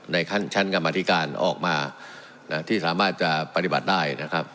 ในชั้นกรรมธิการออกมาที่สามารถจะปฏิบัติได้นะครับ